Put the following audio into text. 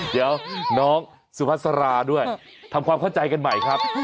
เดี๋ยวน้องสุภาษาราด้วยทำความเข้าใจกันใหม่ครับ